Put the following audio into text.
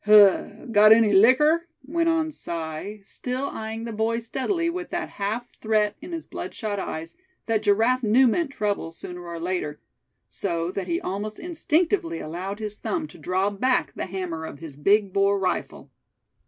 "Huh! got any licker?" went on Si, still eying the boys steadily with that half threat in his bloodshot eyes, that Giraffe knew meant trouble, sooner or later, so that he almost instinctively allowed his thumb to draw back the hammer of his big bore rifle.